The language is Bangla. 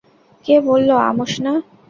কে বলল অ্যামোস না?